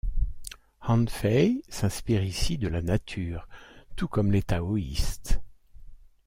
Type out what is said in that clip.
Han Fei s'inspire ici de la nature, tout comme les taoïstes.